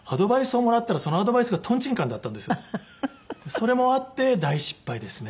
それもあって大失敗ですね。